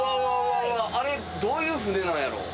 あれどういう船なんやろう。